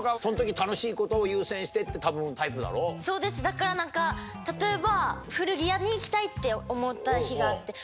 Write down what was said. そうですだから例えば。